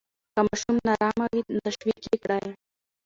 که ماشوم نا آرامه وي، تشویق یې کړئ.